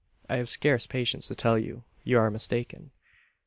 I have scarce patience to tell you, you are mistaken.